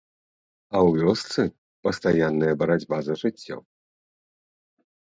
А ў вёсцы пастаянная барацьба за жыццё.